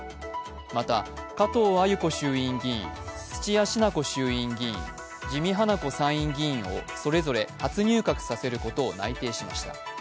また加藤鮎子衆院議員、土屋品子衆院議員、自見英子参院議員をそれぞれ初入閣させることを内定しました。